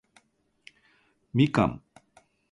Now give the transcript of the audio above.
みかん